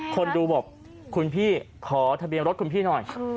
คนดูบอกคุณพี่ขอทะเบียนรถคุณพี่หน่อย